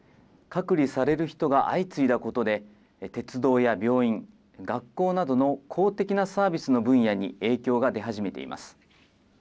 隔離される人が相次いだことで、鉄道や病院、学校などの公的なサービスの分野に影響が出始めています。